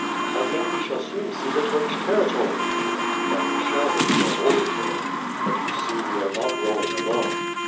"I think we shall soon see the Turkish territory." "That we shall if we are ordered there. But you see we are not rowing alone."